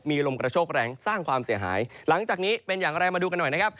มีลมกระโชคแรงสร้างความเสียหายหลังจากนี้เป็นอย่างไรมาดูกันหน่อยนะครับ